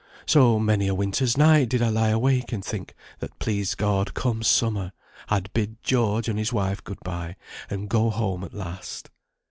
So many a winter's night did I lie awake and think, that please God, come summer, I'd bid George and his wife good bye, and go home at last.